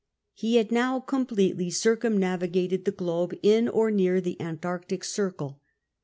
He had now completely circumnavigated the globe in or near the Antarctic circle.